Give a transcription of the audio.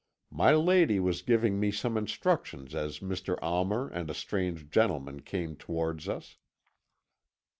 My lady was giving me some instructions as Mr. Almer and a strange gentleman came towards us.